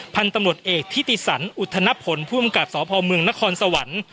พันตำรวจเอกที่ติสันอุทธนพลผู้บังกับสพนครสวรรค์